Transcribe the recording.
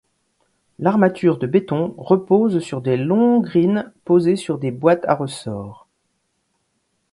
L'armature de béton repose sur des longrines posées sur des boîtes à ressorts.